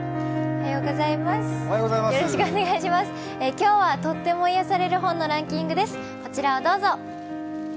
今日はとっても癒される本のランキングです。